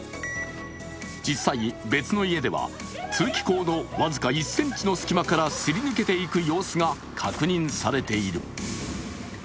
実際、別の家では通気口の僅か１ｃｍの隙間からすり抜けていく様子が確認されている。